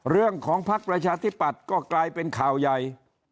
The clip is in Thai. เรื่องของภักดิ์ประชาธิปัตย์ก็กลายเป็นข่าวย